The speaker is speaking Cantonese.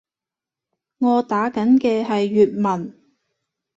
我打緊嘅係粵文